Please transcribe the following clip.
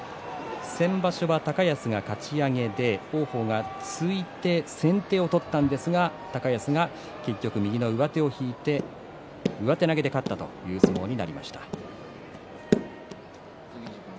先場所は高安がかち上げで王鵬が突いて先手を取ったんですが高安が結局、右の上手を引いて上手投げで勝ったという相撲になりました。